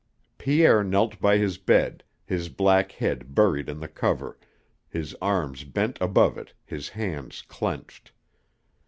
Pierre knelt by his bed, his black head buried in the cover, his arms bent above it, his hands clenched.